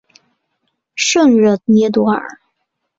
圣热涅多尔。